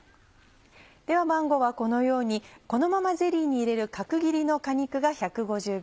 ではマンゴーはこのようにこのままゼリーに入れる角切りの果肉が１５０ｇ。